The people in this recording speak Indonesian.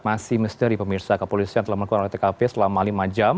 masih misteri pemirsa kepolisian telah melakukan oleh tkp selama lima jam